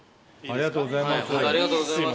ありがとうございます。